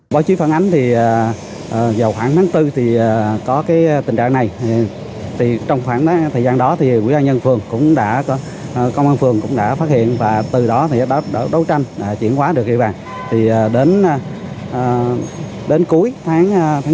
vào khoảng tháng bốn có tình trạng này trong khoảng thời gian đó ubnd phường cũng đã phát hiện và từ đó đã đấu tranh chuyển hóa được địa bàn